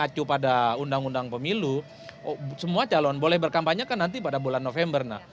mengacu pada undang undang pemilu semua calon boleh berkampanye kan nanti pada bulan november